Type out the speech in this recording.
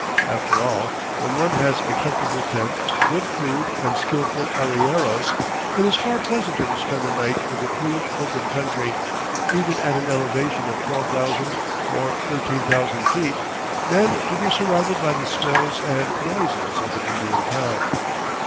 After all, when one has a comfortable tent, good food, and skillful arrieros it is far pleasanter to spend the night in the clean, open country, even at an elevation of 12,000 or 13,000 feet, than to be surrounded by the smells and noises of an Indian town.